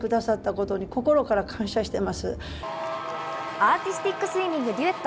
アーティスティックスイミング・デュエット。